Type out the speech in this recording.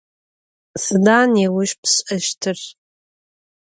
Sıda nêuş pş'eştır?